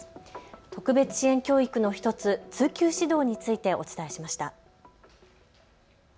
特別支援教育の１つ、通級指導についてお伝えしました。